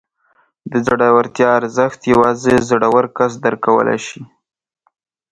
د زړورتیا ارزښت یوازې زړور کس درک کولی شي.